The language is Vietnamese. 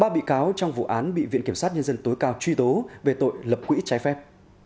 ba bị cáo trong vụ án bị viện kiểm sát nhân dân tối cao truy tố về tội lập quỹ trái phép